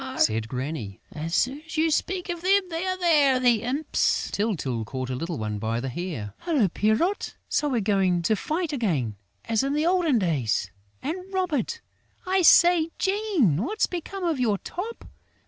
said Granny. "As soon as you speak of them, they are there, the imps!" Tyltyl caught a little one by the hair: "Hullo, Pierrot! So we're going to fight again, as in the old days!... And Robert!... I say, Jean, what's become of your top?...